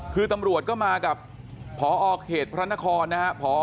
คือตำรวจก็มากับพอเขตพระนครนะครับ